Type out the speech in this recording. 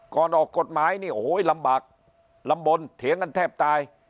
ออกกฎหมายนี่โอ้โหลำบากลำบลเถียงกันแทบตาย